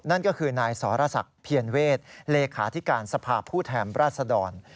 นั่นก็คือนายสรษะเพียรเวศเลขาที่การสภาพผู้แถมราษฎร